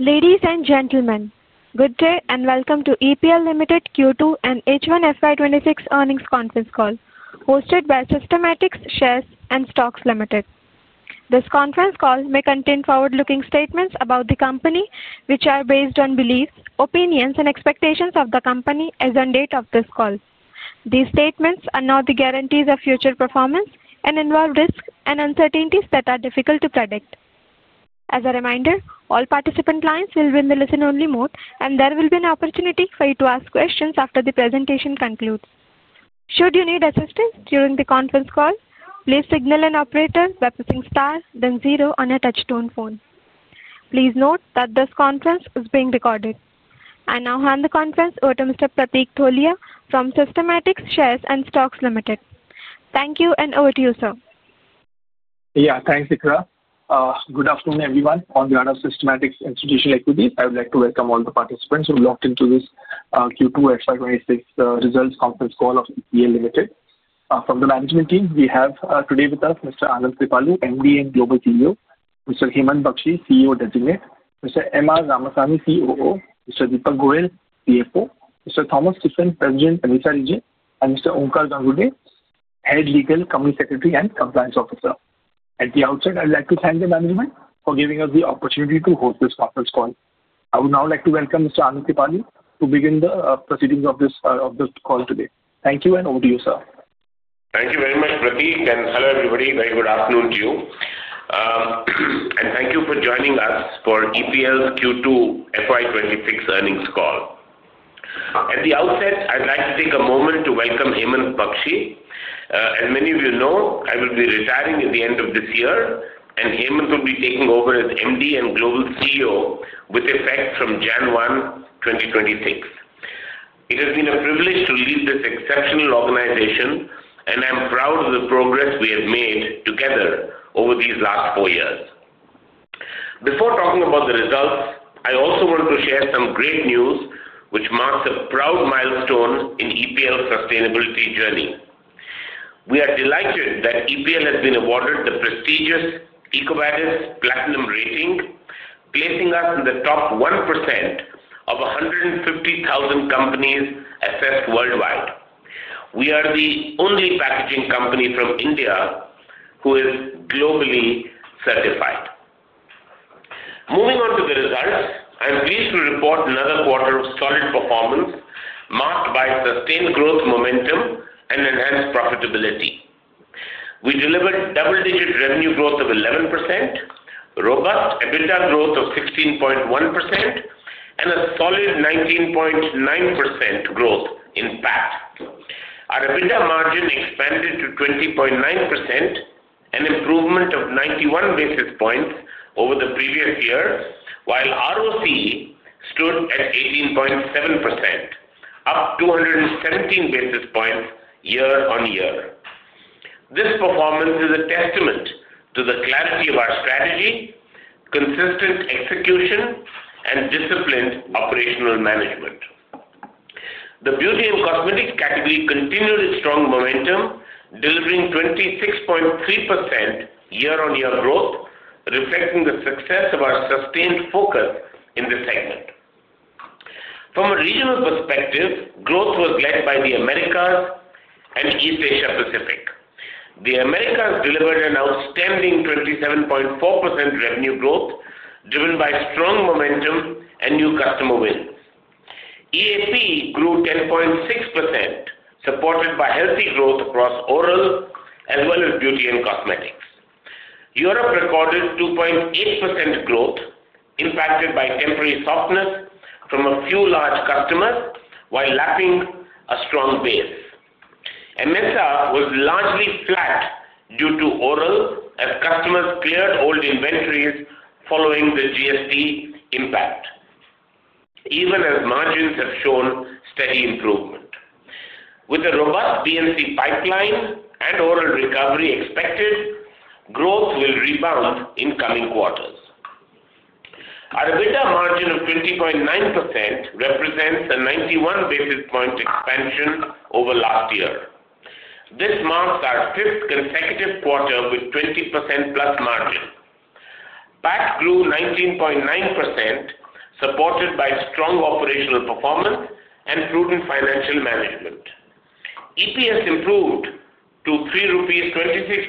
Ladies and gentlemen, good day and welcome to EPL Limited Q2 and H1 FY 2026 earnings conference call, hosted by Systematix Shares and Stocks Limited. This conference call may contain forward-looking statements about the company, which are based on beliefs, opinions, and expectations of the company as of the date of this call. These statements are not the guarantees of future performance and involve risks and uncertainties that are difficult to predict. As a reminder, all participant lines will be in the listen-only mode, and there will be an opportunity for you to ask questions after the presentation concludes. Should you need assistance during the conference call, please signal an operator by pressing star, then zero on a touch-tone phone. Please note that this conference is being recorded. I now hand the conference over to Mr. Pratik Tholiya from Systematix Shares and Stocks Limited. Thank you, and over to you, sir. Yeah, thanks, Ikra. Good afternoon, everyone. On behalf of Systematix Institutional Equities, I would like to welcome all the participants who have logged into this Q2 H526 results conference call of EPL Limited. From the management team, we have today with us Mr. Anand Kripalu, MD and Global CEO; Mr. Hemant Bakshi, CEO Designate; Mr. M. R. Ramasamy, COO; Mr. Deepak Goyal, CFO; Mr. Thomas Stephen, President AMESA Region; and Mr. Onkar Ghangurde, Head Legal, Company Secretary, and Compliance Officer. At the outset, I'd like to thank the management for giving us the opportunity to host this conference call. I would now like to welcome Mr. Anand Kripalu to begin the proceedings of this call today. Thank you, and over to you, sir. Thank you very much, Pratik, and hello, everybody. Very good afternoon to you. Thank you for joining us for EPL Q2 FY 2026 earnings call. At the outset, I'd like to take a moment to welcome Hemant Bakshi. As many of you know, I will be retiring at the end of this year, and Hemant will be taking over as MD and Global CEO with effect from January 1, 2026. It has been a privilege to lead this exceptional organization, and I'm proud of the progress we have made together over these last four years. Before talking about the results, I also want to share some great news, which marks a proud milestone in EPL's sustainability journey. We are delighted that EPL has been awarded the prestigious EcoVadis Platinum rating, placing us in the top 1% of 150,000 companies assessed worldwide. We are the only packaging company from India who is globally certified. Moving on to the results, I'm pleased to report another quarter of solid performance marked by sustained growth momentum and enhanced profitability. We delivered double-digit revenue growth of 11%, robust EBITDA growth of 16.1%, and a solid 19.9% growth in PAT. Our EBITDA margin expanded to 20.9%, an improvement of 91 basis points over the previous year, while ROC stood at 18.7%, up 217 basis points year-on-year. This performance is a testament to the clarity of our strategy, consistent execution, and disciplined operational management. The beauty and cosmetics category continued its strong momentum, delivering 26.3% year-on-year growth, reflecting the success of our sustained focus in the segment. From a regional perspective, growth was led by the Americas and East Asia-Pacific. The Americas delivered an outstanding 27.4% revenue growth, driven by strong momentum and new customer wins. EAP grew 10.6%, supported by healthy growth across oral as well as beauty and cosmetics. Europe recorded 2.8% growth, impacted by temporary softness from a few large customers, while lapping a strong base. India was largely flat due to oral, as customers cleared old inventories following the GST impact, even as margins have shown steady improvement. With a robust B&C pipeline and oral recovery expected, growth will rebound in coming quarters. Our EBITDA margin of 20.9% represents a 91 basis point expansion over last year. This marks our fifth consecutive quarter with 20%+ margin. PAT grew 19.9%, supported by strong operational performance and prudent financial management. EPS improved to 3.26 rupees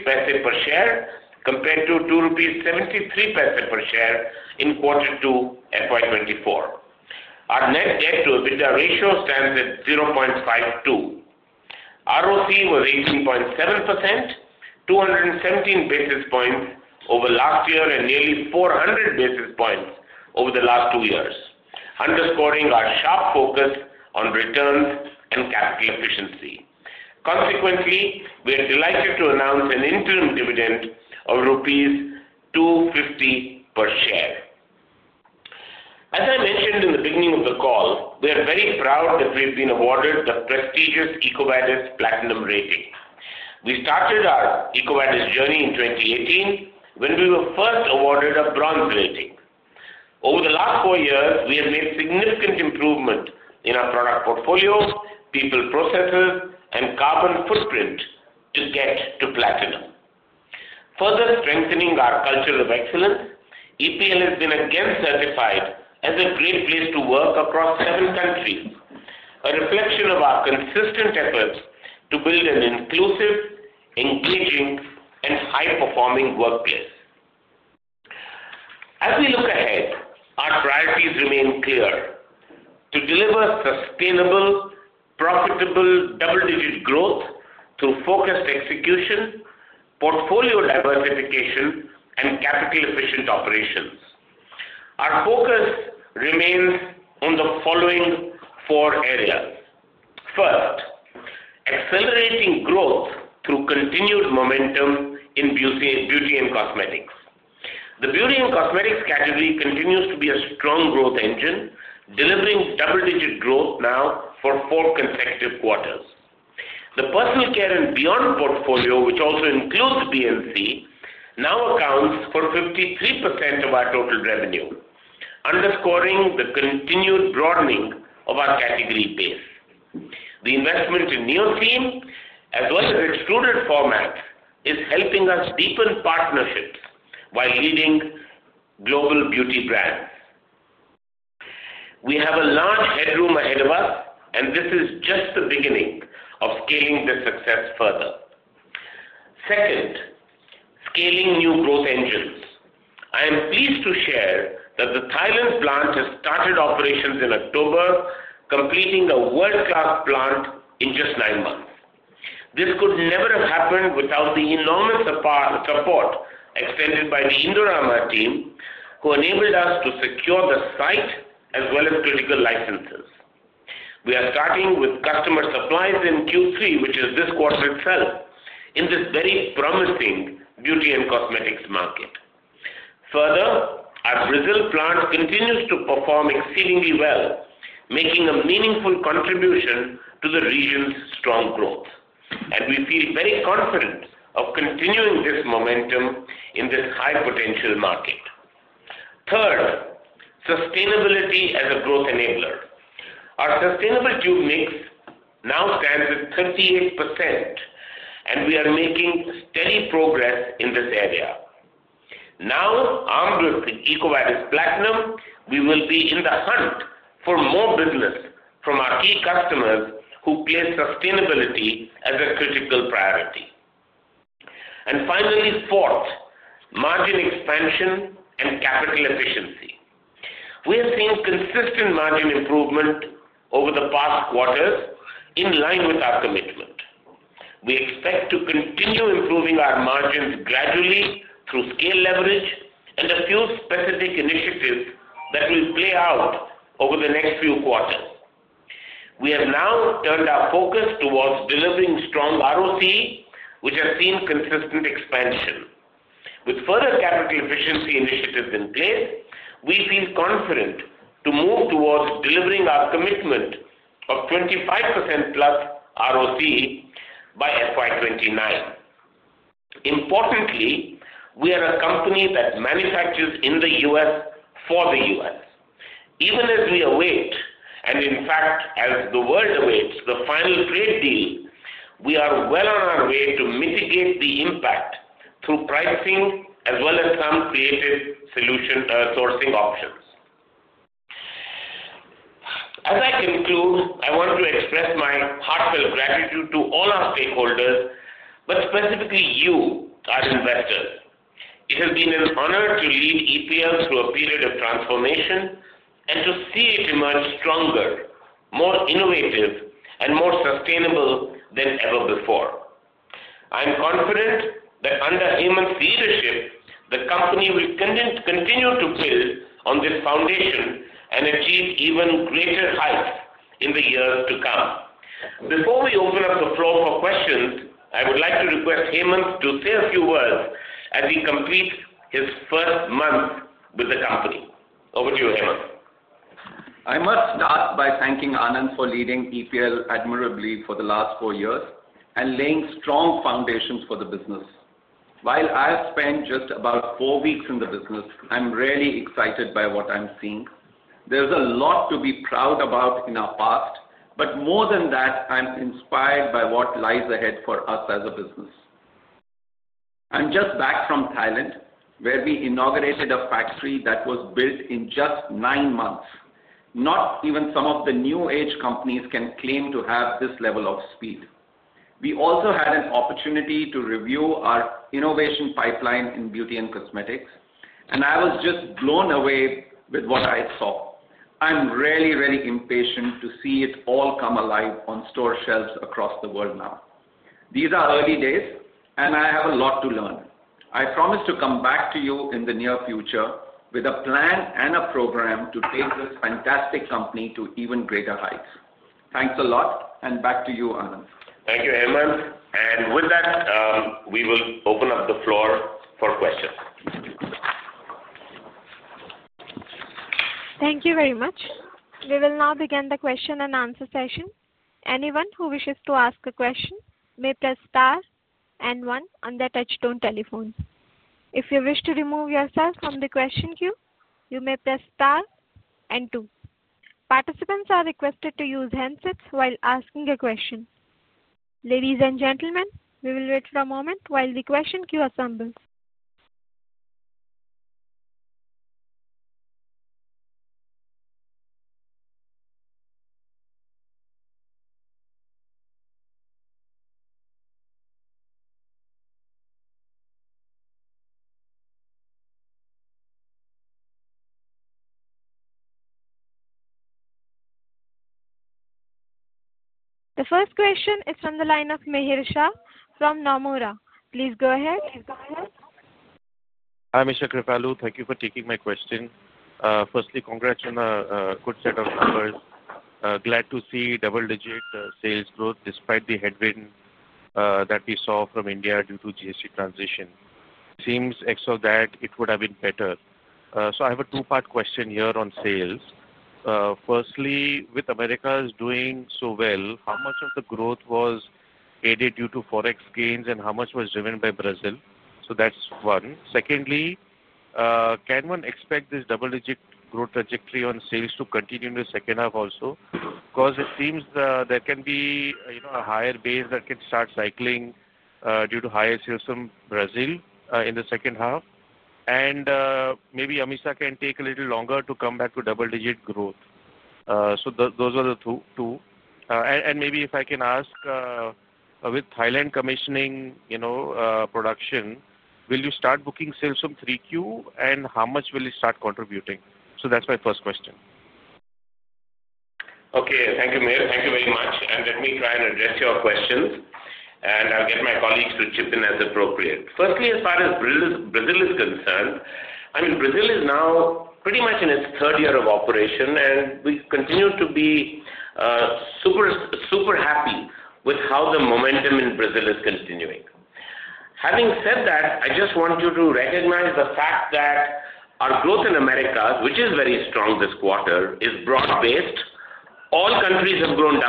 per share compared to 2.73 rupees per share in Q2 FY 2024. Our net debt-to-EBITDA ratio stands at 0.52. ROC was 18.7%, 217 basis points over last year and nearly 400 basis points over the last two years, underscoring our sharp focus on returns and capital efficiency. Consequently, we are delighted to announce an interim dividend of rupees 2.50 per share. As I mentioned in the beginning of the call, we are very proud that we have been awarded the prestigious EcoVadis Platinum rating. We started our EcoVadis journey in 2018 when we were first awarded a Bronze rating. Over the last four years, we have made significant improvements in our product portfolio, people, processes, and carbon footprint to get to Platinum. Further strengthening our culture of excellence, EPL has been again certified as a great place to work across seven countries, a reflection of our consistent efforts to build an inclusive, engaging, and high-performing workplace. As we look ahead, our priorities remain clear: to deliver sustainable, profitable double-digit growth through focused execution, portfolio diversification, and capital-efficient operations. Our focus remains on the following four areas. First, accelerating growth through continued momentum in beauty and cosmetics. The beauty and cosmetics category continues to be a strong growth engine, delivering double-digit growth now for four consecutive quarters. The personal care and beyond portfolio, which also includes B&C, now accounts for 53% of our total revenue, underscoring the continued broadening of our category base. The investment in NEOSeam, as well as its student format, is helping us deepen partnerships while leading global beauty brands. We have a large headroom ahead of us, and this is just the beginning of scaling this success further. Second, scaling new growth engines. I am pleased to share that the Thailand plant has started operations in October, completing a world-class plant in just nine months. This could never have happened without the enormous support extended by the Indorama team, who enabled us to secure the site as well as critical licenses. We are starting with customer supplies in Q3, which is this quarter itself, in this very promising beauty and cosmetics market. Further, our Brazil plant continues to perform exceedingly well, making a meaningful contribution to the region's strong growth. We feel very confident of continuing this momentum in this high-potential market. Third, sustainability as a growth enabler. Our sustainable tube mix now stands at 38%, and we are making steady progress in this area. Now armed with the EcoVadis Platinum, we will be in the hunt for more business from our key customers who place sustainability as a critical priority. Finally, fourth, margin expansion and capital efficiency. We have seen consistent margin improvement over the past quarters, in line with our commitment. We expect to continue improving our margins gradually through scale leverage and a few specific initiatives that will play out over the next few quarters. We have now turned our focus towards delivering strong ROC, which has seen consistent expansion. With further capital efficiency initiatives in place, we feel confident to move towards delivering our commitment of 25%+ ROC by FY 2029. Importantly, we are a company that manufactures in the U.S. for the U.S. Even as we await, and in fact, as the world awaits the final trade deal, we are well on our way to mitigate the impact through pricing as well as some creative solution sourcing options. As I conclude, I want to express my heartfelt gratitude to all our stakeholders, but specifically you, our investors. It has been an honor to lead EPL through a period of transformation and to see it emerge stronger, more innovative, and more sustainable than ever before. I'm confident that under Hemant's leadership, the company will continue to build on this foundation and achieve even greater heights in the years to come. Before we open up the floor for questions, I would like to request Hemant to say a few words as he completes his first month with the company. Over to you, Hemant. I must start by thanking Anand for leading EPL admirably for the last four years and laying strong foundations for the business. While I have spent just about four weeks in the business, I'm really excited by what I'm seeing. There's a lot to be proud about in our past, but more than that, I'm inspired by what lies ahead for us as a business. I'm just back from Thailand, where we inaugurated a factory that was built in just nine months. Not even some of the new age companies can claim to have this level of speed. We also had an opportunity to review our innovation pipeline in beauty and cosmetics, and I was just blown away with what I saw. I'm really, really impatient to see it all come alive on store shelves across the world now. These are early days, and I have a lot to learn. I promise to come back to you in the near future with a plan and a program to take this fantastic company to even greater heights. Thanks a lot, and back to you, Anand. Thank you, Hemant. With that, we will open up the floor for questions. Thank you very much. We will now begin the question and answer session. Anyone who wishes to ask a question may press star and one on their touchstone telephone. If you wish to remove yourself from the question queue, you may press star and two. Participants are requested to use handsets while asking a question. Ladies and gentlemen, we will wait for a moment while the question queue assembles. The first question is from the line of Mihir Shah from Nomura. Please go ahead. Please go ahead. Hi, Anand Kripalu. Thank you for taking my question. Firstly, congrats on a good set of numbers. Glad to see double-digit sales growth despite the headwind that we saw from India due to GST transition. Seems as though that it would have been better. I have a two-part question here on sales. Firstly, with Americas doing so well, how much of the growth was aided due to forex gains, and how much was driven by Brazil? That is one. Secondly, can one expect this double-digit growth trajectory on sales to continue in the second half also? It seems there can be a higher base that can start cycling due to higher sales from Brazil in the second half. Maybe India can take a little longer to come back to double-digit growth. Those are the two. Maybe if I can ask, with Thailand commissioning production, will you start booking sales from 3Q, and how much will you start contributing? That is my first question. Okay. Thank you, Mihir. Thank you very much. Let me try and address your questions, and I'll get my colleagues to chip in as appropriate. Firstly, as far as Brazil is concerned, I mean, Brazil is now pretty much in its third year of operation, and we continue to be super happy with how the momentum in Brazil is continuing. Having said that, I just want you to recognize the fact that our growth in Americas, which is very strong this quarter, is broad-based. All countries have grown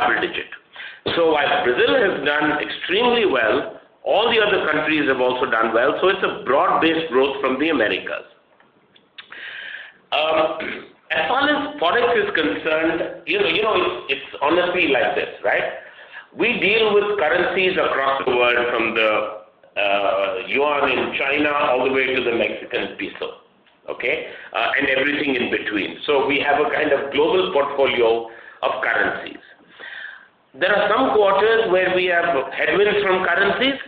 double-digit. While Brazil has done extremely well, all the other countries have also done well. It is a broad-based growth from the Americas. As far as forex is concerned, it's honestly like this, right? We deal with currencies across the world from the yuan in China all the way to the Mexican peso, and everything in between. We have a kind of global portfolio of currencies. There are some quarters where we have headwinds from currencies,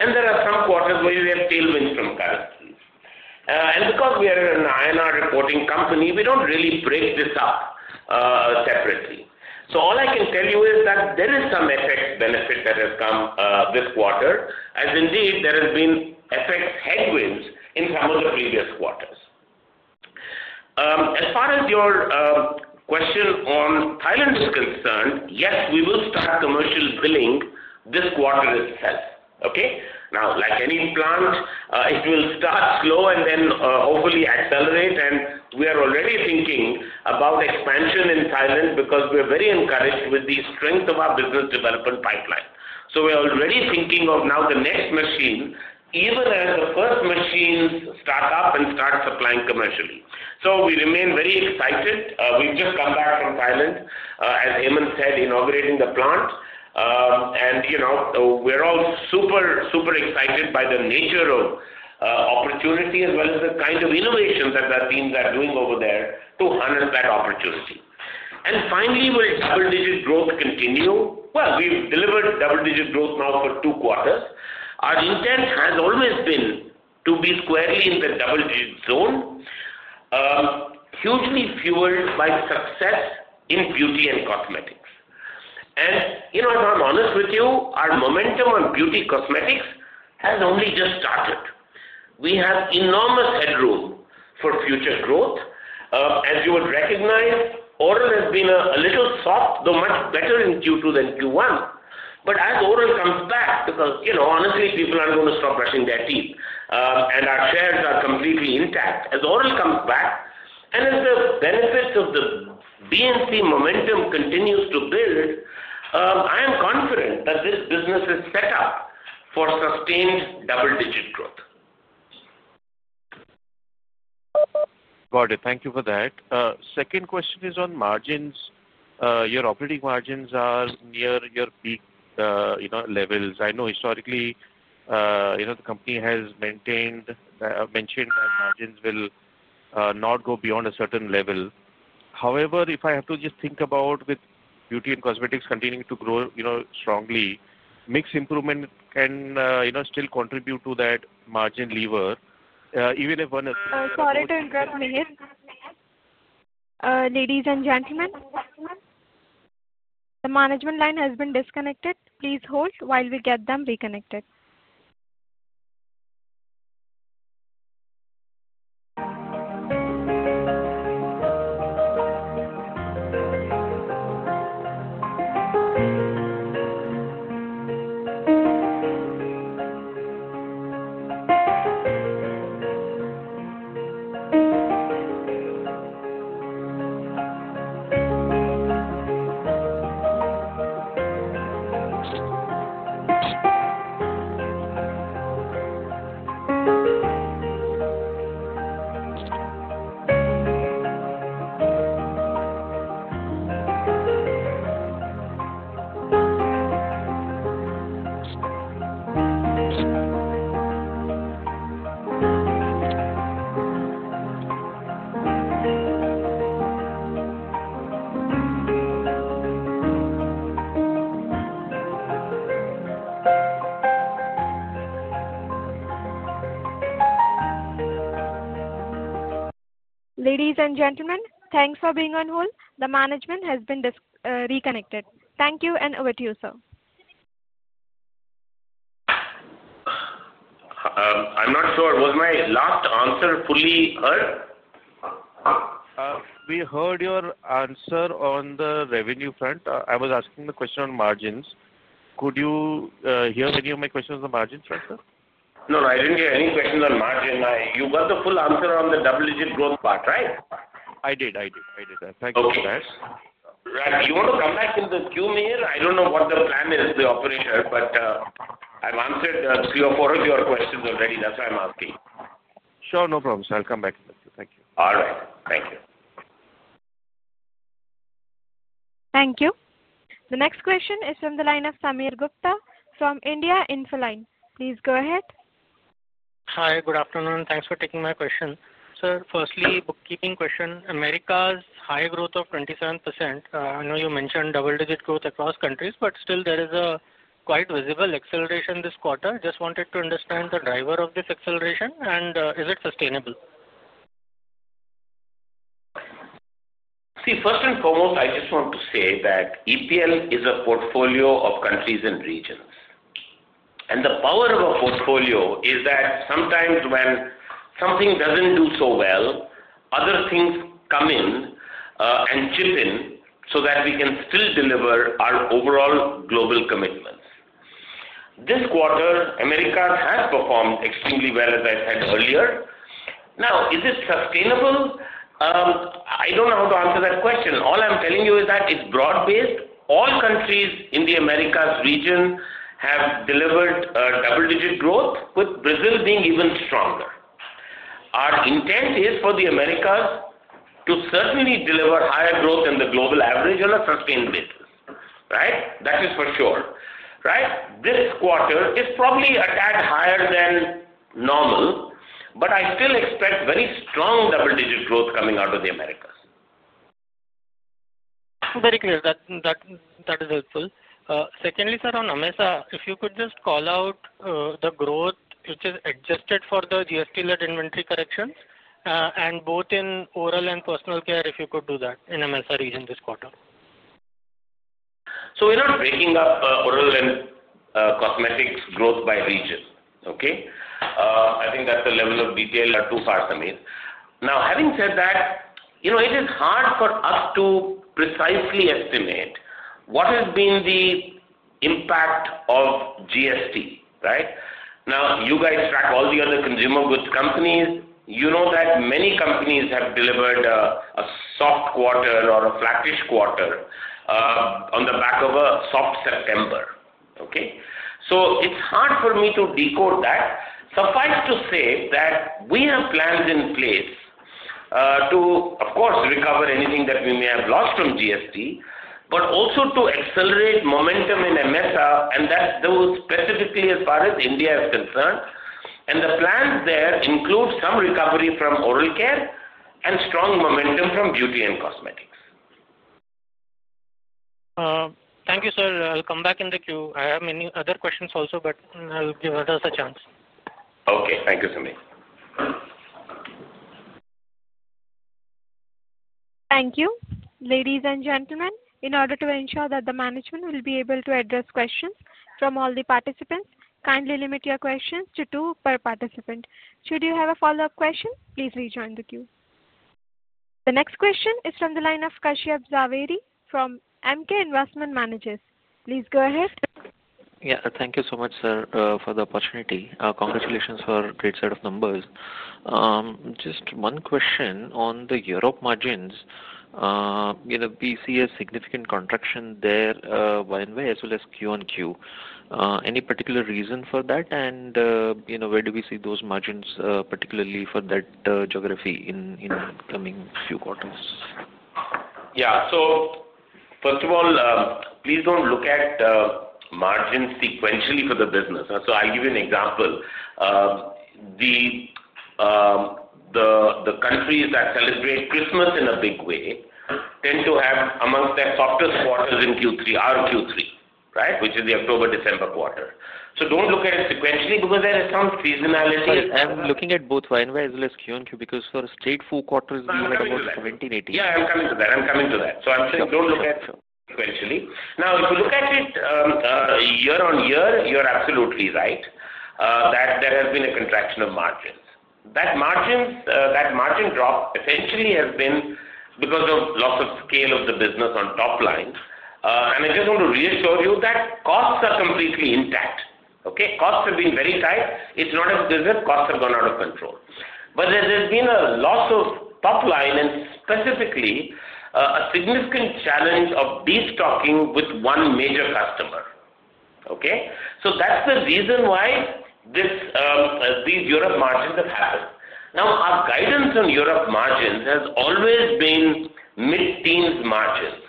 and there are some quarters where we have tailwinds from currencies. Because we are an INR reporting company, we do not really break this up separately. All I can tell you is that there is some FX benefit that has come this quarter, as indeed there have been FX headwinds in some of the previous quarters. As far as your question on Thailand is concerned, yes, we will start commercial billing this quarter itself, okay? Now, like any plant, it will start slow and then hopefully accelerate. We are already thinking about expansion in Thailand because we are very encouraged with the strength of our business development pipeline. We are already thinking of now the next machine, even as the first machines start up and start supplying commercially. We remain very excited. We have just come back from Thailand, as Hemant said, inaugurating the plant. We are all super, super excited by the nature of opportunity as well as the kind of innovation that our teams are doing over there to harness that opportunity. Finally, will double-digit growth continue? We have delivered double-digit growth now for two quarters. Our intent has always been to be squarely in the double-digit zone, hugely fueled by success in beauty and cosmetics. If I am honest with you, our momentum on beauty cosmetics has only just started. We have enormous headroom for future growth. As you would recognize, oral has been a little soft, though much better in Q2 than Q1. As oral comes back, because honestly, people are not going to stop brushing their teeth, and our shares are completely intact, as oral comes back and as the benefits of the B&C momentum continue to build, I am confident that this business is set up for sustained double-digit growth. Got it. Thank you for that. Second question is on margins. Your operating margins are near your peak levels. I know historically the company has mentioned that margins will not go beyond a certain level. However, if I have to just think about with beauty and cosmetics continuing to grow strongly, mix improvement can still contribute to that margin lever. Even if. Sorry to interrupt, Mihir. Ladies and gentlemen, the management line has been disconnected. Please hold while we get them reconnected. Ladies and gentlemen, thanks for being on hold. The management has been reconnected. Thank you, and over to you, sir. I'm not sure. Was my last answer fully heard? We heard your answer on the revenue front. I was asking the question on margins. Could you hear any of my questions on the margins front, sir? No, I didn't hear any questions on margins. You got the full answer on the double-digit growth part, right? I did, I did. Thank you for that. Right. You want to come back in the queue, Mihir? I do not know what the plan is, the operation, but I have answered three or four of your questions already. That is why I am asking. Sure. No problem, sir. I'll come back in the queue. Thank you. All right. Thank you. Thank you. The next question is from the line of Sameer Gupta from India Infoline. Please go ahead. Hi. Good afternoon. Thanks for taking my question, sir. Firstly, bookkeeping question. Americas' high growth of 27%. I know you mentioned double-digit growth across countries, but still there is a quite visible acceleration this quarter. Just wanted to understand the driver of this acceleration, and is it sustainable? See, first and foremost, I just want to say that EPL is a portfolio of countries and regions. The power of a portfolio is that sometimes when something does not do so well, other things come in and chip in so that we can still deliver our overall global commitments. This quarter, Americas has performed extremely well, as I said earlier. Now, is it sustainable? I do not know how to answer that question. All I am telling you is that it is broad-based. All countries in the Americas region have delivered double-digit growth, with Brazil being even stronger. Our intent is for the Americas to certainly deliver higher growth than the global average on a sustained basis, right? That is for sure, right? This quarter is probably a tad higher than normal, but I still expect very strong double-digit growth coming out of the Americas. Very clear. That is helpful. Secondly, sir, on India, if you could just call out the growth which is adjusted for the GST-led inventory corrections, and both in oral and personal care, if you could do that in India region this quarter. We're not breaking up oral and cosmetics growth by region, okay? I think that's the level of detail. Too far, Sameer. Now, having said that, it is hard for us to precisely estimate what has been the impact of GST, right? Now, you guys track all the other consumer goods companies. You know that many companies have delivered a soft quarter or a flattish quarter on the back of a soft September, okay? It's hard for me to decode that. Suffice to say that we have plans in place to, of course, recover anything that we may have lost from GST, but also to accelerate momentum in AMESA, and that's specifically as far as India is concerned. The plans there include some recovery from oral care and strong momentum from beauty and cosmetics. Thank you, sir. I'll come back in the queue. I have many other questions also, but I'll give others a chance. Okay. Thank you, Sameer. Thank you. Ladies and gentlemen, in order to ensure that the management will be able to address questions from all the participants, kindly limit your questions to two per participant. Should you have a follow-up question, please rejoin the queue. The next question is from the line of Kashyap Javeri from Emkay Investment Managers. Please go ahead. Yeah. Thank you so much, sir, for the opportunity. Congratulations for a great set of numbers. Just one question on the Europe margins. We see a significant contraction there by YoY as well as QoQ. Any particular reason for that? And where do we see those margins, particularly for that geography in the coming few quarters? Yeah. First of all, please do not look at margins sequentially for the business. I will give you an example. The countries that celebrate Christmas in a big way tend to have among their softest quarters in Q3, our Q3, which is the October-December quarter. Do not look at it sequentially because there is some seasonality. I'm looking at both YoY as well as QoQ because for straight four quarters, we had about 17, 18. Yeah. I'm coming to that. I'm coming to that. I'm saying don't look at it sequentially. Now, if you look at it year on year, you're absolutely right that there has been a contraction of margins. That margin drop essentially has been because of loss of scale of the business on top line. I just want to reassure you that costs are completely intact, okay? Costs have been very tight. It's not as if costs have gone out of control. There's been a loss of top line and specifically a significant challenge of destocking with one major customer, okay? That's the reason why these Europe margins have happened. Our guidance on Europe margins has always been mid-teens margins,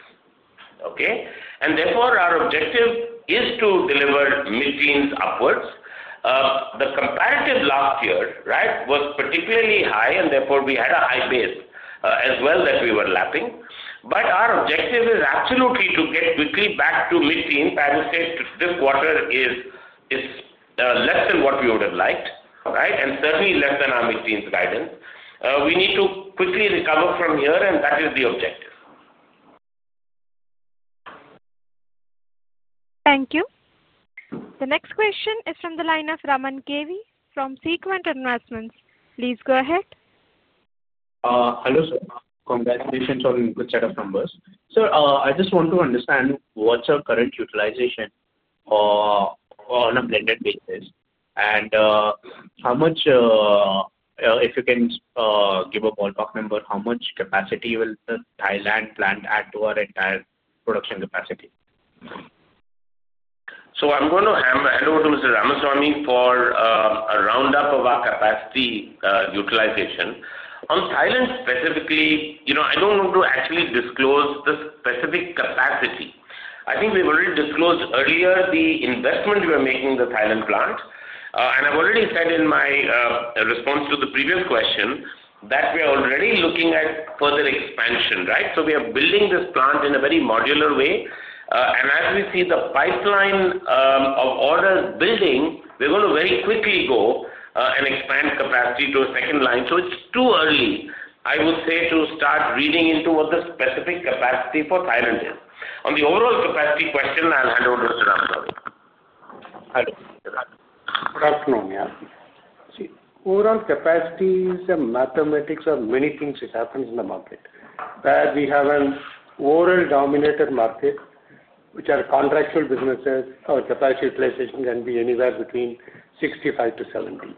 okay? Therefore, our objective is to deliver mid-teens upwards. The comparative last year, right, was particularly high, and therefore we had a high base as well that we were lapping. Our objective is absolutely to get quickly back to mid-teens. I would say this quarter is less than what we would have liked, right, and certainly less than our mid-teens guidance. We need to quickly recover from here, and that is the objective. Thank you. The next question is from the line of Raman K.V. from Sequent Investments. Please go ahead. Hello, sir. Congratulations on a good set of numbers. Sir, I just want to understand what's your current utilization on a blended basis and how much, if you can give a ballpark number, how much capacity will the Thailand plant add to our entire production capacity? I'm going to hand over to Ramasamy for a roundup of our capacity utilization. On Thailand specifically, I don't want to actually disclose the specific capacity. I think we've already disclosed earlier the investment we are making in the Thailand plant. I've already said in my response to the previous question that we are already looking at further expansion, right? We are building this plant in a very modular way. As we see the pipeline of orders building, we're going to very quickly go and expand capacity to a second line. It's too early, I would say, to start reading into what the specific capacity for Thailand is. On the overall capacity question, I'll hand over to Ramasamy. Hello. Good afternoon, yeah. See, overall capacity is a mathematics of many things which happens in the market. We have an overall dominated market, which are contractual businesses, or capacity utilization can be anywhere between 65%-70%.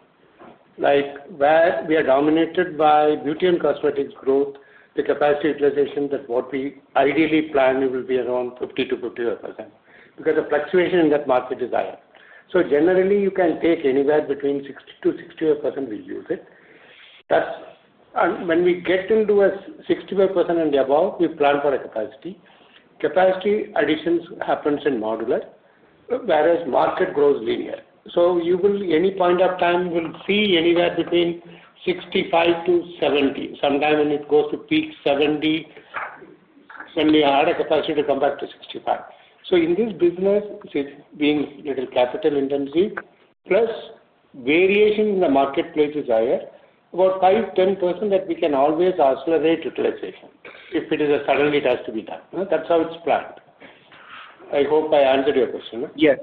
Where we are dominated by beauty and cosmetics growth, the capacity utilization that what we ideally plan will be around 50%-55% because the fluctuation in that market is higher. Generally, you can take anywhere between 60%-65%, we use it. When we get into 65% and above, we plan for a capacity. Capacity additions happen in modular, whereas market grows linear. At any point of time, we'll see anywhere between 65%-70%. Sometime when it goes to peak 70%, then we have a capacity to come back to 65%. In this business, it's being a little capital intensive, plus variation in the marketplace is higher, about 5%-10% that we can always accelerate utilization if it is a suddenly it has to be done. That's how it's planned. I hope I answered your question. Yes.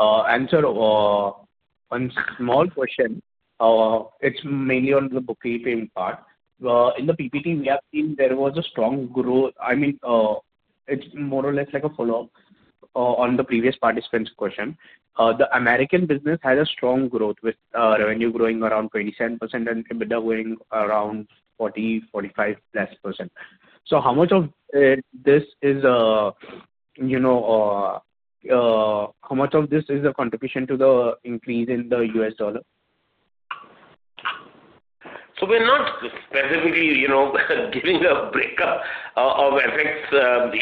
Answer one small question. It's mainly on the bookkeeping part. In the PPT, we have seen there was a strong growth. I mean, it's more or less like a follow-up on the previous participant's question. The Americas business has a strong growth with revenue growing around 27% and EBITDA going around 40%-45%+. So how much of this is the contribution to the increase in the US dollar? We're not specifically giving a breakup of effects,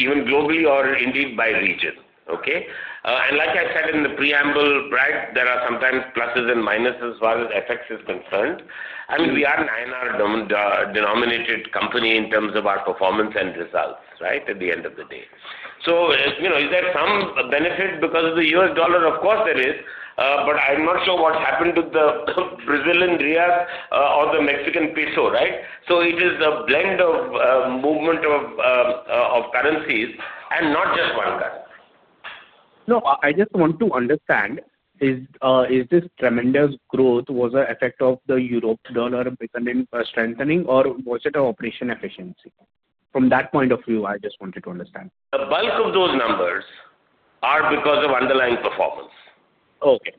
even globally or indeed by region, okay? Like I said in the preamble, right, there are sometimes pluses and minuses as far as effects are concerned. I mean, we are an INR denominated company in terms of our performance and results, right, at the end of the day. Is there some benefit because of the US dollar? Of course, there is, but I'm not sure what happened to the Brazilian real or the Mexican peso, right? It is a blend of movement of currencies and not just one currency. No. I just want to understand, is this tremendous growth was an effect of the euro to dollar strengthening, or was it an operation efficiency? From that point of view, I just wanted to understand. The bulk of those numbers are because of underlying performance. Okay.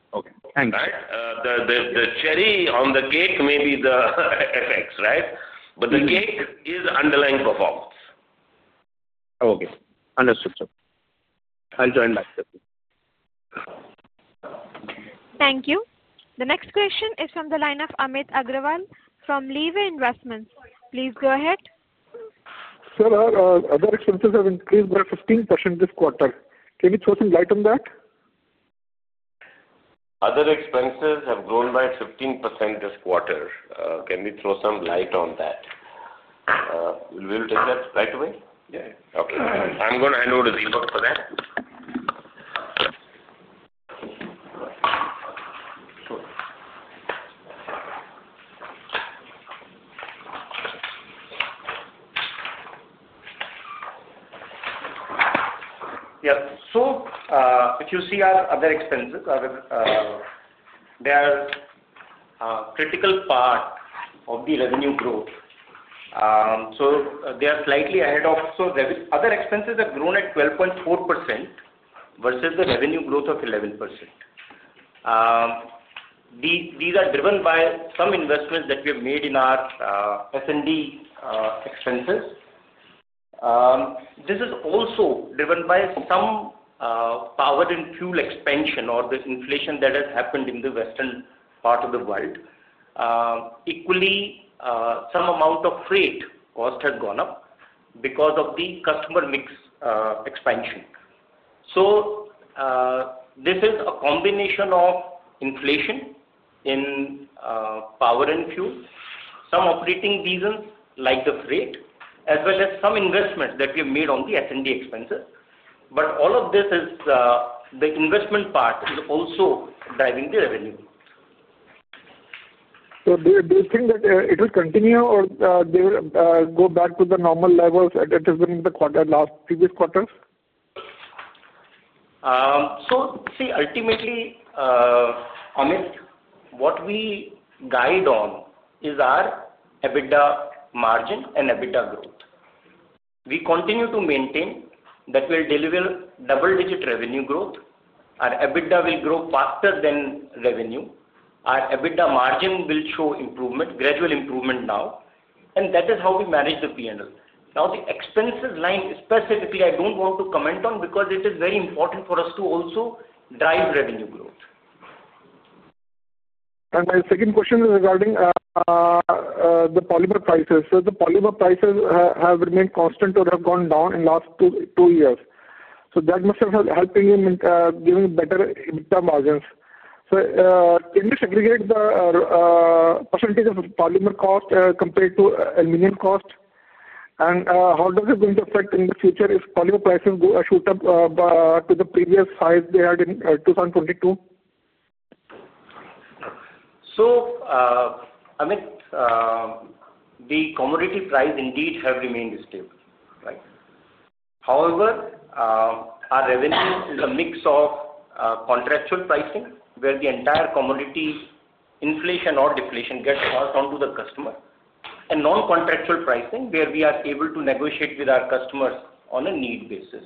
Thank you. Right? The cherry on the cake may be the effects, right? The cake is underlying performance. Okay. Understood, sir. I'll join back. Thank you. The next question is from the line of Amit Aggarwal from Leeway Investments. Please go ahead. Sir, our other expenses have increased by 15% this quarter. Can you throw some light on that? Other expenses have grown by 15% this quarter. Can you throw some light on that? We'll take that right away. Yeah. Okay. I'm going to hand over to Deepak for that. Yeah. If you see our other expenses, they are a critical part of the revenue growth. They are slightly ahead of, so other expenses have grown at 12.4% versus the revenue growth of 11%. These are driven by some investments that we have made in our S&D expenses. This is also driven by some power and fuel expansion or the inflation that has happened in the western part of the world. Equally, some amount of freight cost has gone up because of the customer mix expansion. This is a combination of inflation in power and fuel, some operating reasons like the freight, as well as some investments that we have made on the S&D expenses. All of this, the investment part, is also driving the revenue. Do you think that it will continue or they will go back to the normal levels that it has been in the previous quarters? See, ultimately, Amit, what we guide on is our EBITDA margin and EBITDA growth. We continue to maintain that we'll deliver double-digit revenue growth. Our EBITDA will grow faster than revenue. Our EBITDA margin will show improvement, gradual improvement now. That is how we manage the P&L. Now, the expenses line specifically, I don't want to comment on because it is very important for us to also drive revenue growth. My second question is regarding the polymer prices. The polymer prices have remained constant or have gone down in the last two years. That must have helped you in giving better EBITDA margins. Can you segregate the percentage of polymer cost compared to aluminum cost? How is it going to affect in the future if polymer prices shoot up to the previous highs they had in 2022? Amit, the commodity price indeed has remained stable, right? However, our revenue is a mix of contractual pricing where the entire commodity inflation or deflation gets passed on to the customer, and non-contractual pricing where we are able to negotiate with our customers on a need basis.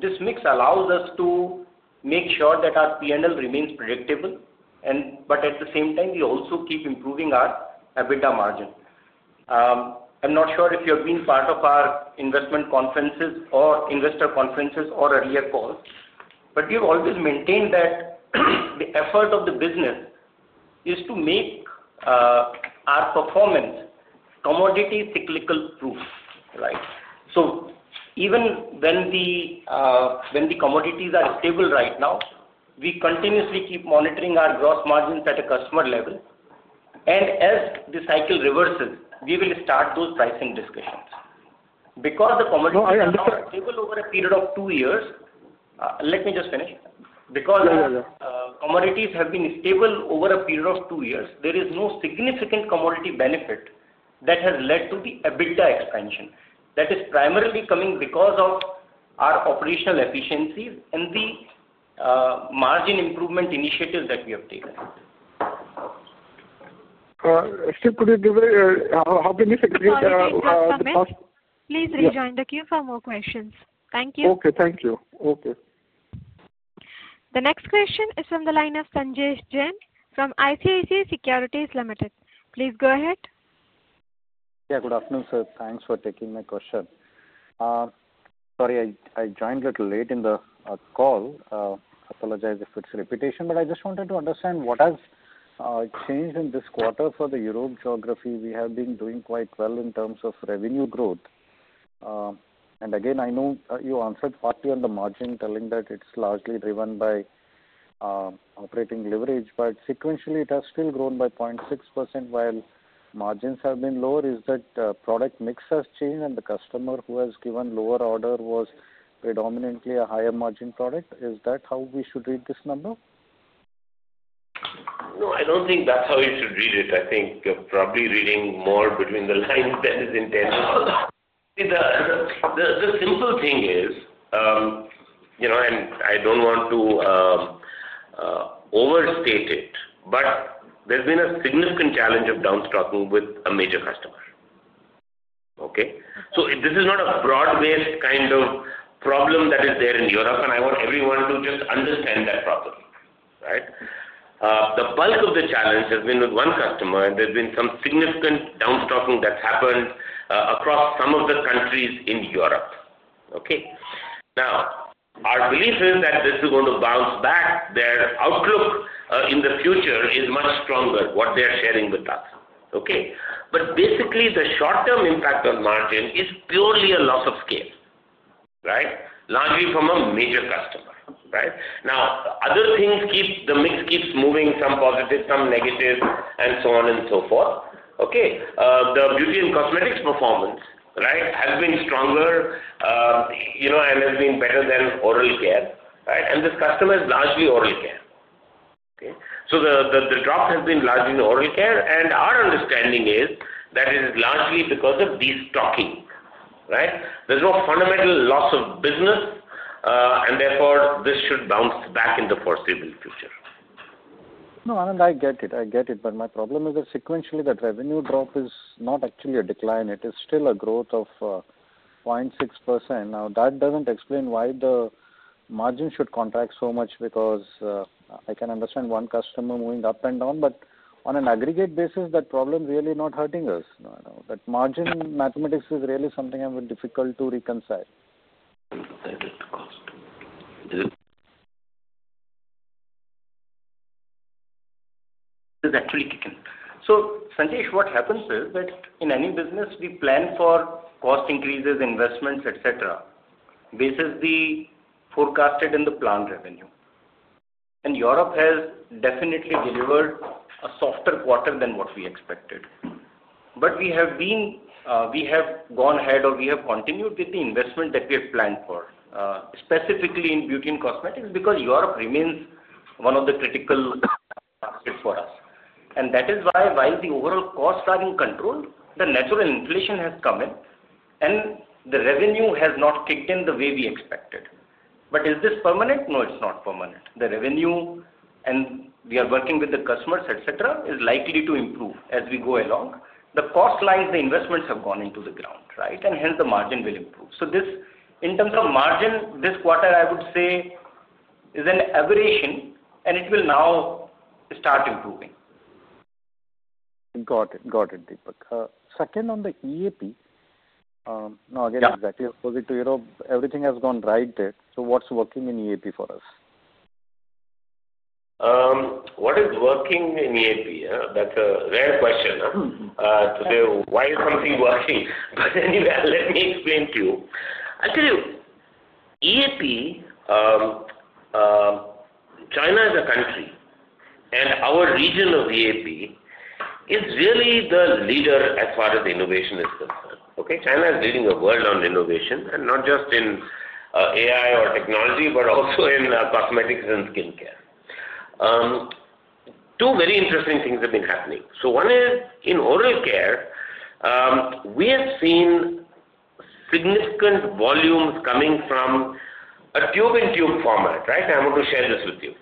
This mix allows us to make sure that our P&L remains predictable, but at the same time, we also keep improving our EBITDA margin. I'm not sure if you have been part of our investment conferences or investor conferences or earlier calls, but we have always maintained that the effort of the business is to make our performance commodity cyclical proof, right? Even when the commodities are stable right now, we continuously keep monitoring our gross margins at a customer level. As the cycle reverses, we will start those pricing discussions. Because the commodities are stable over a period of two years, let me just finish. Because commodities have been stable over a period of two years, there is no significant commodity benefit that has led to the EBITDA expansion. That is primarily coming because of our operational efficiencies and the margin improvement initiatives that we have taken. Still, could you give a, how can you segregate the cost? Please rejoin the queue for more questions. Thank you. Okay. Thank you. Okay. The next question is from the line of Sanjesh Jain from ICICI Securities Limited. Please go ahead. Yeah. Good afternoon, sir. Thanks for taking my question. Sorry, I joined a little late in the call. I apologize if it's repetition, but I just wanted to understand what has changed in this quarter for the Europe geography. We have been doing quite well in terms of revenue growth. I know you answered partly on the margin telling that it's largely driven by operating leverage, but sequentially, it has still grown by 0.6% while margins have been lower. Is that product mix has changed and the customer who has given lower order was predominantly a higher margin product? Is that how we should read this number? No, I do not think that is how you should read it. I think you are probably reading more between the lines than is intended. The simple thing is, and I do not want to overstate it, but there has been a significant challenge of downstocking with a major customer, okay? This is not a broad-based kind of problem that is there in Europe, and I want everyone to just understand that properly, right? The bulk of the challenge has been with one customer, and there has been some significant downstocking that has happened across some of the countries in Europe, okay? Now, our belief is that this is going to bounce back. Their outlook in the future is much stronger, what they are sharing with us, okay? Basically, the short-term impact on margin is purely a loss of scale, right, largely from a major customer, right? Now, other things keep the mix keeps moving, some positive, some negative, and so on and so forth, okay? The beauty and cosmetics performance, right, has been stronger and has been better than oral care, right? And this customer is largely oral care, okay? The drop has been largely in oral care, and our understanding is that it is largely because of destocking, right? There is no fundamental loss of business, and therefore, this should bounce back in the foreseeable future. No, Anand, I get it. I get it. My problem is that sequentially, that revenue drop is not actually a decline. It is still a growth of 0.6%. That does not explain why the margin should contract so much because I can understand one customer moving up and down, but on an aggregate basis, that problem is really not hurting us. That margin mathematics is really something I'm difficult to reconcile. It is actually kicking. Sanjesh, what happens is that in any business, we plan for cost increases, investments, etc., basically forecasted in the planned revenue. Europe has definitely delivered a softer quarter than what we expected. We have gone ahead or we have continued with the investment that we have planned for, specifically in beauty and cosmetics because Europe remains one of the critical markets for us. That is why, while the overall costs are in control, the natural inflation has come in, and the revenue has not kicked in the way we expected. Is this permanent? No, it is not permanent. The revenue, and we are working with the customers, etc., is likely to improve as we go along. The cost lines, the investments have gone into the ground, right? Hence, the margin will improve. In terms of margin, this quarter, I would say, is an aberration, and it will now start improving. Got it. Got it, Deepak. Second on the EAP. Now, again, exactly opposite to Europe, everything has gone right there. What's working in EAP for us? What is working in EAP? That's a rare question. To say, "Why is something working?" Anyway, let me explain to you. Actually, EAP, China is a country, and our region of EAP is really the leader as far as innovation is concerned, okay? China is leading the world on innovation, and not just in AI or technology, but also in cosmetics and skincare. Two very interesting things have been happening. One is, in oral care, we have seen significant volumes coming from a tube-in-tube format, right? I want to share this with you.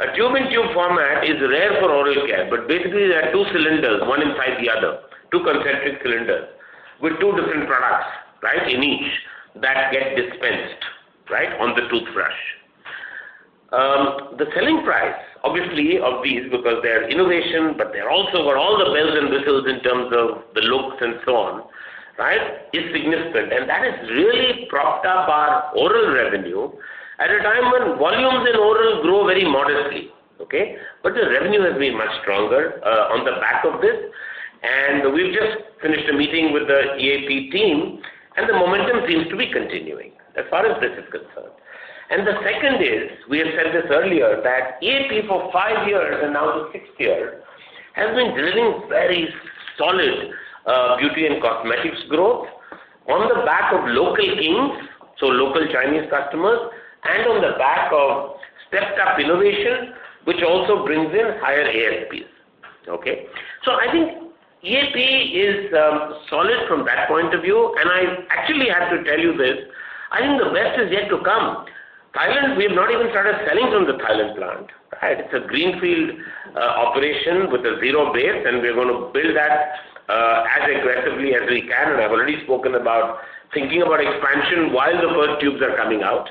A tube-in-tube format is rare for oral care, but basically, there are two cylinders, one inside the other, two concentric cylinders with two different products, right, in each that get dispensed, right, on the toothbrush. The selling price, obviously, of these, because they have innovation, but they're also over all the bells and whistles in terms of the looks and so on, right, is significant. That has really propped up our oral revenue at a time when volumes in oral grow very modestly, okay? The revenue has been much stronger on the back of this. We have just finished a meeting with the EAP team, and the momentum seems to be continuing as far as this is concerned. The second is, we have said this earlier, that EAP for five years and now the sixth year has been delivering very solid beauty and cosmetics growth on the back of local kings, so local Chinese customers, and on the back of stepped-up innovation, which also brings in higher ASPs, okay? I think EAP is solid from that point of view. I actually have to tell you this. I think the best is yet to come. Thailand, we have not even started selling from the Thailand plant, right? It is a greenfield operation with a zero base, and we are going to build that as aggressively as we can. I have already spoken about thinking about expansion while the first tubes are coming out,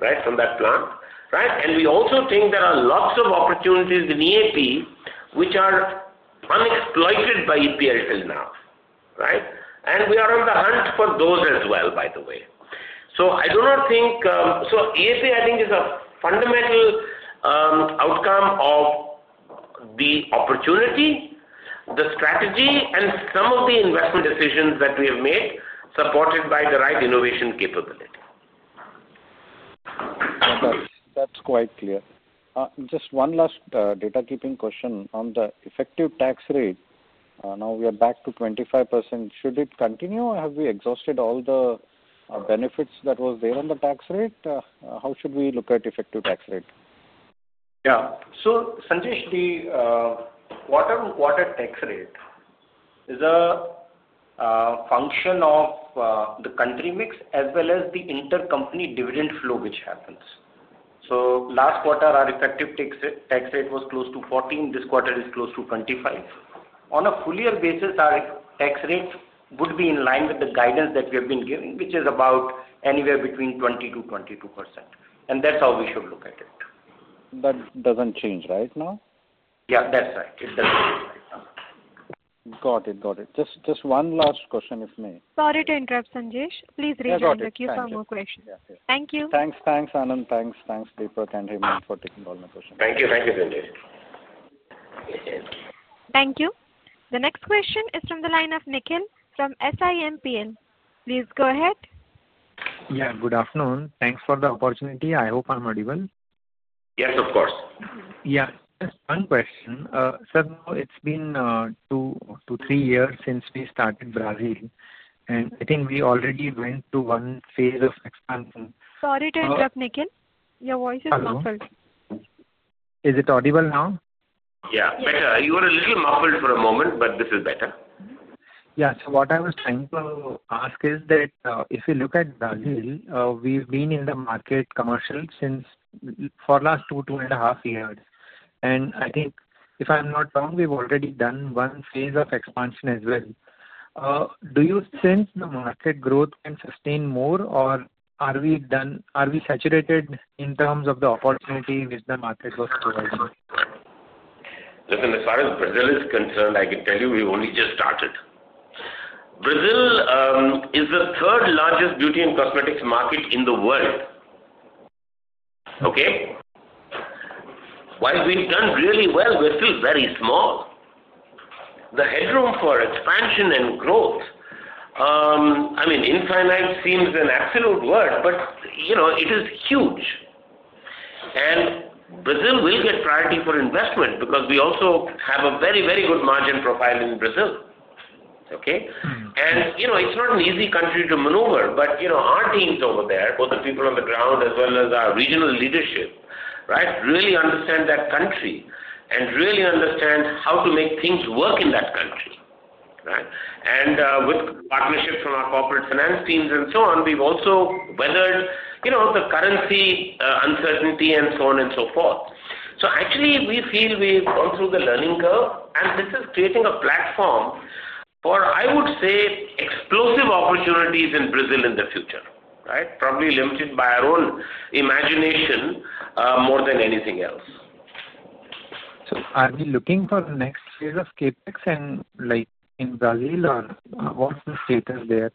right, from that plant, right? We also think there are lots of opportunities in EAP which are unexploited by EPL till now, right? We are on the hunt for those as well, by the way. I do not think so. EAP, I think, is a fundamental outcome of the opportunity, the strategy, and some of the investment decisions that we have made supported by the right innovation capability. That's quite clear. Just one last data-keeping question on the effective tax rate. Now we are back to 25%. Should it continue, or have we exhausted all the benefits that were there on the tax rate? How should we look at effective tax rate? Yeah. So Sanjesh, the quarter-on-quarter tax rate is a function of the country mix as well as the intercompany dividend flow which happens. Last quarter, our effective tax rate was close to 14%. This quarter is close to 25%. On a full-year basis, our tax rate would be in line with the guidance that we have been giving, which is about anywhere between 20%-22%. That is how we should look at it. It doesn't change right now? Yeah, that's right. It doesn't change right now. Got it. Got it. Just one last question, if I may. Sorry to interrupt, Sanjesh. Please reach out. That's all right. To you for more questions. Thank you. Thanks. Thanks, Anand. Thanks, Deepak and Rama, for taking all my questions. Thank you. Thank you, Sanjesh. Thank you. The next question is from the line of Nikhil from SIMPL. Please go ahead. Yeah. Good afternoon. Thanks for the opportunity. I hope I'm audible. Yes, of course. Yeah. Just one question. Sir, it's been two to three years since we started Brazil, and I think we already went through one phase of expansion. Sorry to interrupt, Nikhil. Your voice is muffled. Is it audible now? Yeah. Better. You were a little muffled for a moment, but this is better. Yeah. So what I was trying to ask is that if you look at Brazil, we've been in the market commercial for the last two, two and a half years. And I think, if I'm not wrong, we've already done one phase of expansion as well. Do you think the market growth can sustain more, or are we saturated in terms of the opportunity which the market was providing? As far as Brazil is concerned, I can tell you we've only just started. Brazil is the third-largest beauty and cosmetics market in the world, okay? While we've done really well, we're still very small. The headroom for expansion and growth, I mean, infinite seems an absolute word, but it is huge. Brazil will get priority for investment because we also have a very, very good margin profile in Brazil, okay? It is not an easy country to maneuver, but our teams over there, both the people on the ground as well as our regional leadership, right, really understand that country and really understand how to make things work in that country, right? With partnership from our corporate finance teams and so on, we've also weathered the currency uncertainty and so on and so forth. Actually, we feel we've gone through the learning curve, and this is creating a platform for, I would say, explosive opportunities in Brazil in the future, right? Probably limited by our own imagination more than anything else. Are we looking for the next phase of CapEx in Brazil, or what's the status there?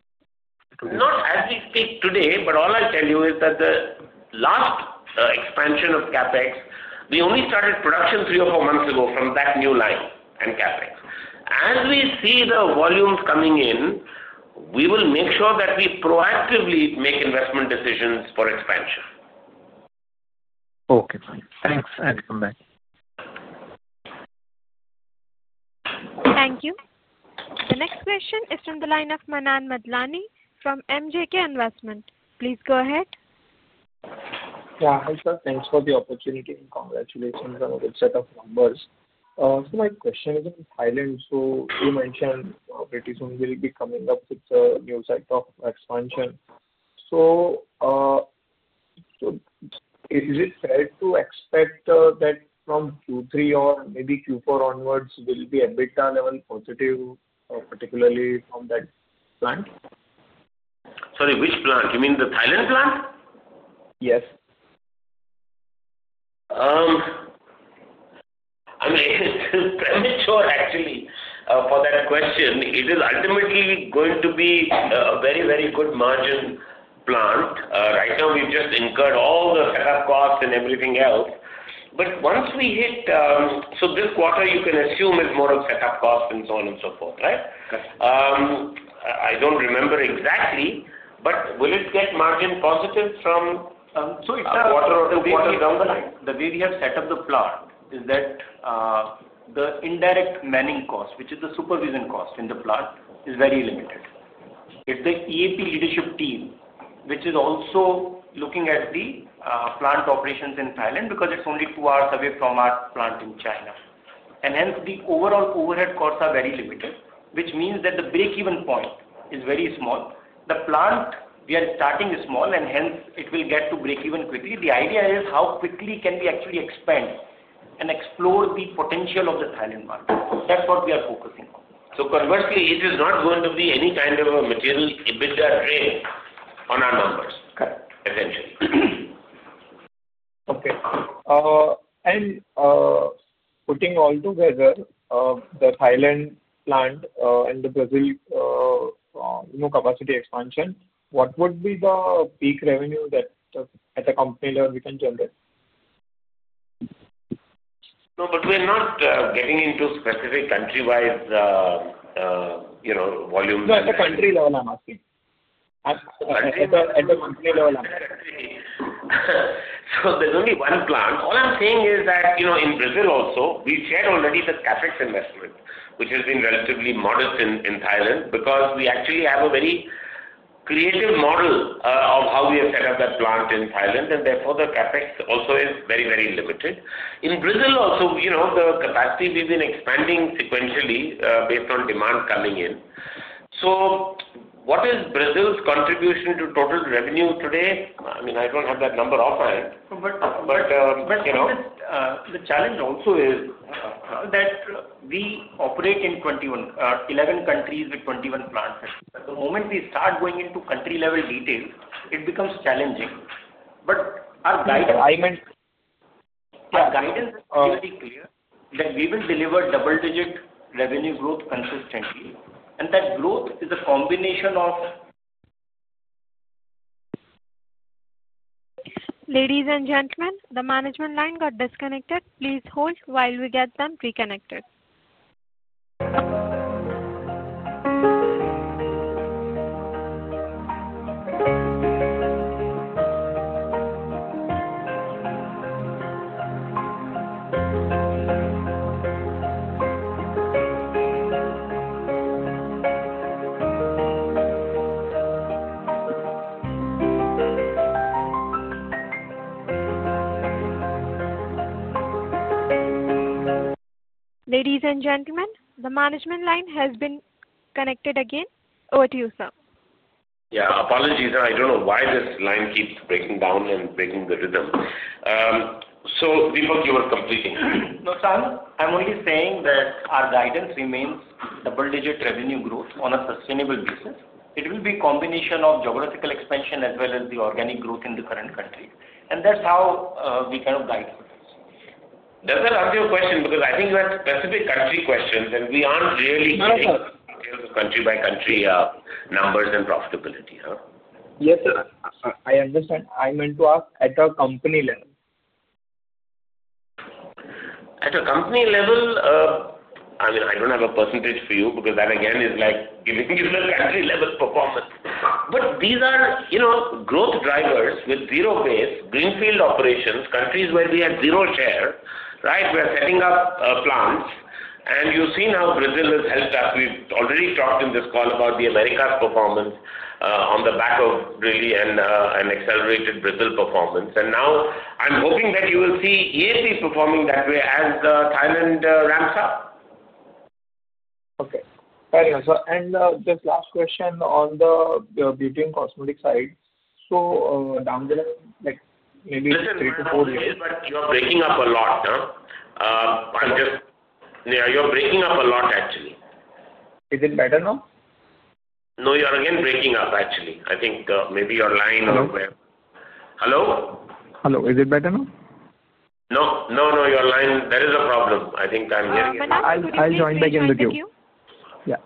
Not as we speak today, but all I'll tell you is that the last expansion of CapEx, we only started production three or four months ago from that new line and CapEx. As we see the volumes coming in, we will make sure that we proactively make investment decisions for expansion. Okay. Thanks. I'll come back. Thank you. The next question is from the line of Manan Madlani from MJK Investment. Please go ahead. Yeah. Hi, sir. Thanks for the opportunity and congratulations on a good set of numbers. My question is on Thailand. You mentioned pretty soon we'll be coming up with a new set of expansion. Is it fair to expect that from Q3 or maybe Q4 onwards we'll be at EBITDA level positive, particularly from that plant? Sorry, which plant? You mean the Thailand plant? Yes. I mean, it's premature, actually, for that question. It is ultimately going to be a very, very good margin plant. Right now, we've just incurred all the setup costs and everything else. Once we hit, this quarter you can assume it's more of setup costs and so on and so forth, right? I don't remember exactly, but will it get margin positive from one or two quarters down the line? The way we have set up the plant is that the indirect manning cost, which is the supervision cost in the plant, is very limited. It is the EAP leadership team, which is also looking at the plant operations in Thailand because it is only two hours away from our plant in China. Hence, the overall overhead costs are very limited, which means that the break-even point is very small. The plant we are starting is small, and it will get to break-even quickly. The idea is how quickly can we actually expand and explore the potential of the Thailand market. That is what we are focusing on. Conversely, it is not going to be any kind of a material beta trade on our numbers, essentially. Okay. Putting all together, the Thailand plant and the Brazil capacity expansion, what would be the peak revenue at the company level we can generate? No, but we're not getting into specific country-wide volumes. No, at the country level, I'm asking. There is only one plant. All I am saying is that in Brazil also, we shared already the CapEx investment, which has been relatively modest in Thailand because we actually have a very creative model of how we have set up that plant in Thailand, and therefore, the CapEx also is very, very limited. In Brazil also, the capacity we have been expanding sequentially based on demand coming in. What is Brazil's contribution to total revenue today? I mean, I do not have that number offhand. The challenge also is that we operate in 11 countries with 21 plants. At the moment we start going into country-level details, it becomes challenging. But our guidance. Yeah, I meant. Our guidance is pretty clear that we will deliver double-digit revenue growth consistently, and that growth is a combination of. Ladies and gentlemen, the management line got disconnected. Please hold while we get them reconnected. Ladies and gentlemen, the management line has been connected again. Over to you, sir. Yeah. Apologies, sir. I do not know why this line keeps breaking down and breaking the rhythm. So before, you were completing. No, sir. I'm only saying that our guidance remains double-digit revenue growth on a sustainable basis. It will be a combination of geographical expansion as well as the organic growth in the current country. That's how we kind of guide for this. That's another question because I think you had specific country questions, and we aren't really getting details of country-by-country numbers and profitability, huh. Yes, sir. I understand. I meant to ask at a company level. At a company level, I mean, I don't have a percentage for you because that, again, is like giving you the country-level performance. But these are growth drivers with zero-base, greenfield operations, countries where we have zero share, right? We are setting up plants, and you've seen how Brazil has helped us. We've already talked in this call about the Americas performance on the back of really an accelerated Brazil performance. Now I'm hoping that you will see EAP performing that way as Thailand ramps up. Okay. Very good. Just last question on the beauty and cosmetics side. Maybe three to four years. Listen, you're breaking up a lot. Actually, you're breaking up a lot. Is it better now? No, you're again breaking up, actually. I think maybe your line or where. Hello? Hello. Is it better now? No, no. There is a problem. I think I'm hearing it. I'll join back in queue. Thank you. Yeah.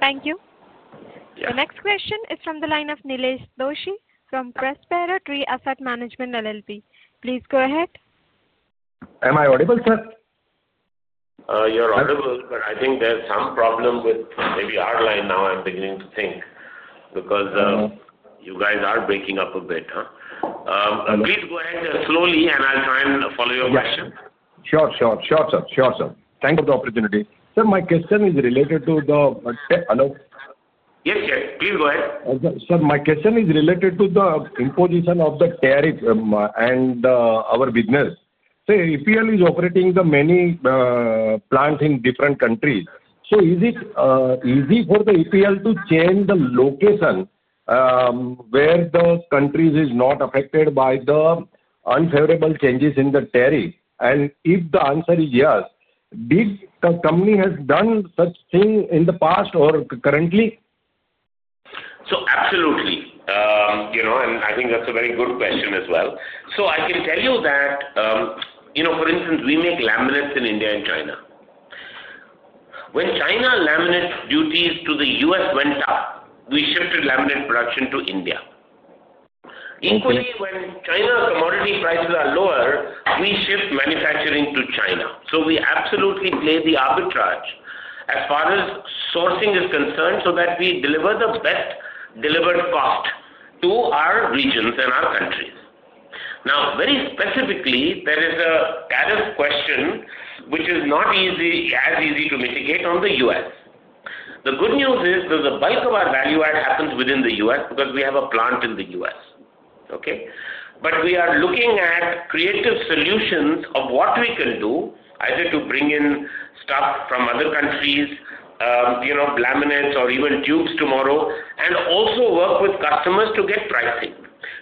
Thank you. The next question is from the line of Nilesh Doshi from Prospero Tree Asset Management LLP. Please go ahead. Am I audible, sir? You're audible, but I think there's some problem with maybe our line now. I'm beginning to think because you guys are breaking up a bit. Please go ahead slowly, and I'll try and follow your question. Sure. Thank you for the opportunity. Sir, my question is related to the hello? Yes, yes. Please go ahead. Sir, my question is related to the imposition of the tariff and our business. EPL is operating many plants in different countries. Is it easy for EPL to change the location where the country is not affected by the unfavorable changes in the tariff? If the answer is yes, did the company have done such thing in the past or currently? Absolutely. I think that's a very good question as well. I can tell you that, for instance, we make laminates in India and China. When China laminate duties to the U.S. went up, we shifted laminate production to India. Equally, when China commodity prices are lower, we shift manufacturing to China. We absolutely play the arbitrage as far as sourcing is concerned so that we deliver the best delivered cost to our regions and our countries. Now, very specifically, there is a tariff question which is not as easy to mitigate on the U.S. The good news is the bulk of our value add happens within the U.S. because we have a plant in the U.S., okay? We are looking at creative solutions of what we can do, either to bring in stuff from other countries, laminates, or even tubes tomorrow, and also work with customers to get pricing.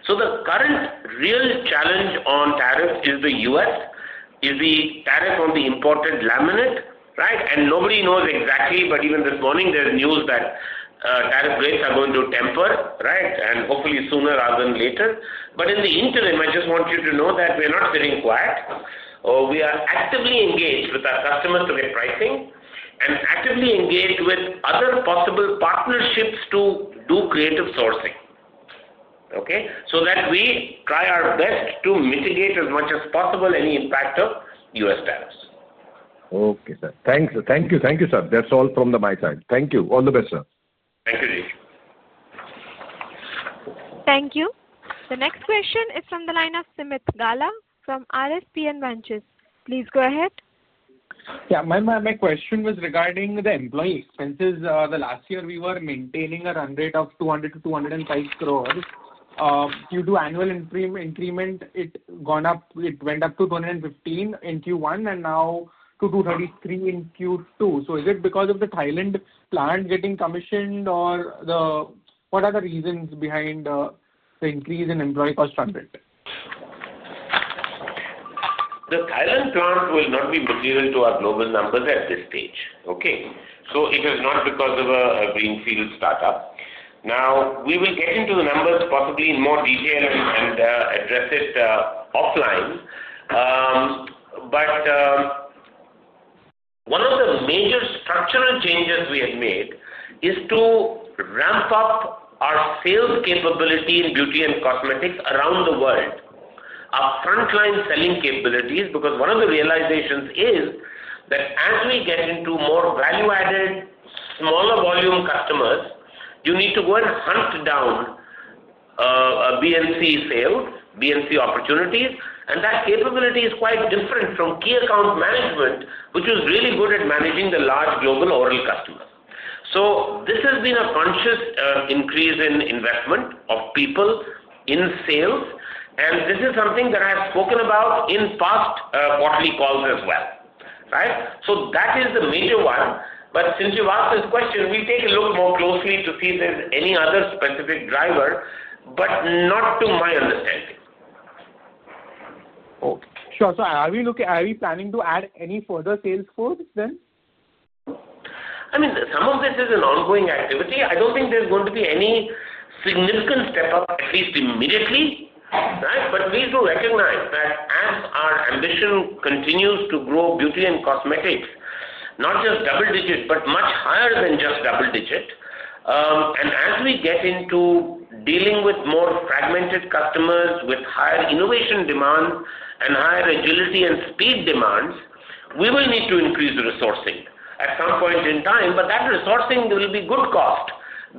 The current real challenge on tariff is the U.S., is the tariff on the imported laminate, right? Nobody knows exactly, but even this morning, there's news that tariff rates are going to temper, right? Hopefully sooner rather than later. In the interim, I just want you to know that we're not sitting quiet. We are actively engaged with our customers to get pricing and actively engaged with other possible partnerships to do creative sourcing, okay? We try our best to mitigate as much as possible any impact of U.S. tariffs. Okay, sir. Thank you. Thank you, sir. That's all from my side. Thank you. All the best, sir. Thank you, Nilesh. Thank you. The next question is from the line of Smith Gala from RSPN Ventures. Please go ahead. Yeah. My question was regarding the employee expenses. Last year, we were maintaining a run rate of 200 crore-205 crore. Due to annual increment, it went up to 215 crore in Q1 and now to 233 crore in Q2. Is it because of the Thailand plant getting commissioned, or what are the reasons behind the increase in employee cost run rate? The Thailand plant will not be material to our global numbers at this stage, okay? It is not because of a greenfield startup. Now, we will get into the numbers possibly in more detail and address it offline. One of the major structural changes we have made is to ramp up our sales capability in beauty and cosmetics around the world, our frontline selling capabilities, because one of the realizations is that as we get into more value-added, smaller volume customers, you need to go and hunt down B&C sales, B&C opportunities, and that capability is quite different from key account management, which is really good at managing the large global oral customers. This has been a conscious increase in investment of people in sales, and this is something that I have spoken about in past quarterly calls as well, right? That is the major one. Since you've asked this question, we'll take a look more closely to see if there's any other specific driver, but not to my understanding. Okay. Sure. So are we planning to add any further sales force then? I mean, some of this is an ongoing activity. I do not think there is going to be any significant step up, at least immediately, right? Please do recognize that as our ambition continues to grow beauty and cosmetics, not just double-digit, but much higher than just double-digit. As we get into dealing with more fragmented customers with higher innovation demands and higher agility and speed demands, we will need to increase resourcing at some point in time. That resourcing will be good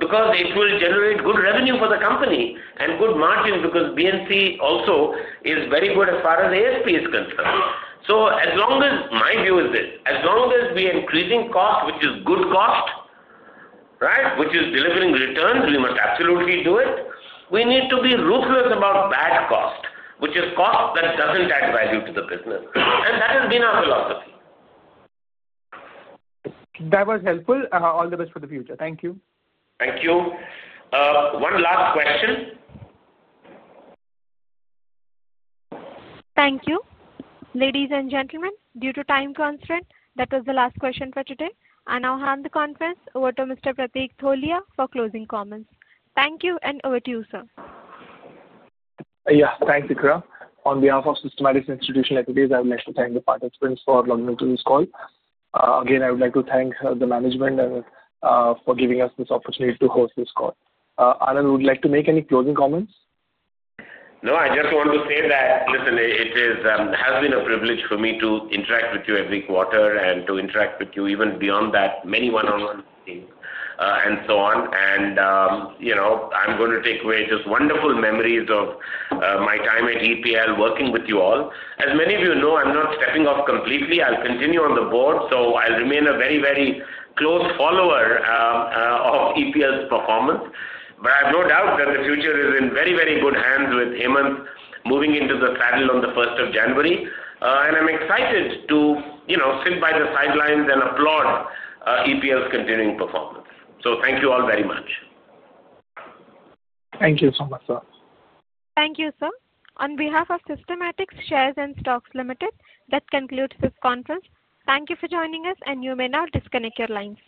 cost because it will generate good revenue for the company and good margin because B&C also is very good as far as ASP is concerned. As long as my view is this, as long as we are increasing cost, which is good cost, right, which is delivering returns, we must absolutely do it. We need to be ruthless about bad cost, which is cost that doesn't add value to the business. That has been our philosophy. That was helpful. All the best for the future. Thank you. Thank you. One last question. Thank you. Ladies and gentlemen, due to time constraint, that was the last question for today. I now hand the conference over to Mr. Pratik Tholiya for closing comments. Thank you, and over to you, sir. Yeah. Thank you, Kripalu. On behalf of Systematix Institutional Equities, I would like to thank the participants for logging into this call. Again, I would like to thank the management for giving us this opportunity to host this call. Anand, would you like to make any closing comments? No, I just want to say that, listen, it has been a privilege for me to interact with you every quarter and to interact with you even beyond that, many one-on-one meetings and so on. I am going to take away just wonderful memories of my time at EPL working with you all. As many of you know, I am not stepping off completely. I will continue on the board, so I will remain a very, very close follower of EPL's performance. I have no doubt that the future is in very, very good hands with Hemant moving into the saddle on the 1st of January. I am excited to sit by the sidelines and applaud EPL's continuing performance. Thank you all very much. Thank you so much, sir. Thank you, sir. On behalf of Systematix Shares and Stocks Limited, that concludes this conference. Thank you for joining us, and you may now disconnect your lines.